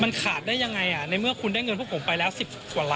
มันขาดได้ยังไงอ่ะในเมื่อคุณได้เงินพวกผมไปแล้วสิบกว่าร้านอ่ะครับ